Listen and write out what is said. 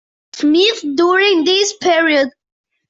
Smith during this period.